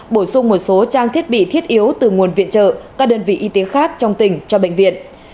bổ sung một số trang thiết bị thiết yếu từ nguồn viện trợ các đơn vị y tế khác trong tỉnh cho bệnh viện